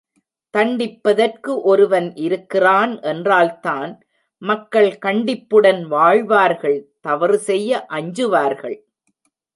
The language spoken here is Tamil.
தண்டிப்பதற்கு ஒருவன் இருக்கிறான் என்றால்தான் மக்கள் கண்டிப்புடன் வாழ்வார்கள் தவறு செய்ய அஞ்சுவார்கள்.